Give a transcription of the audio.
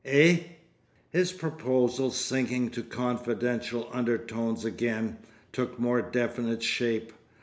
"Eh?" His proposal, sinking to confidential undertones again, took more definite shape.